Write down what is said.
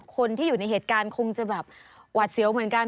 คนที่อยู่ในเหตุการณ์คงจะแบบหวาดเสียวเหมือนกัน